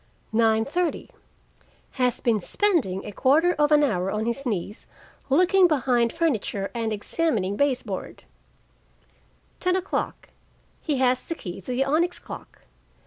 9:30 Has been spending a quarter of an hour on his knees looking behind furniture and examining base board. 10:00 He has the key to the onyx clock.